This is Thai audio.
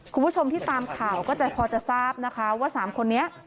คุณผู้ชมที่ตามข่าวก็จะพอจะทราบนะคะว่า๓คนนี้